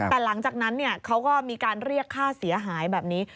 แต่หลังจากนั้นเขาก็มีการเรียกค่าเสียหายแบบนี้